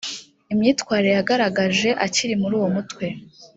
imyitwarire yagaragaje akiri muri uwo mutwe.